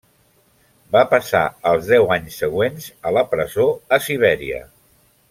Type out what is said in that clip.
Va passar els deu anys següents a la presó a Sibèria.